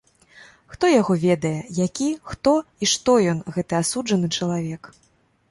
Хто яго ведае, які, хто і што ён, гэты асуджаны чалавек.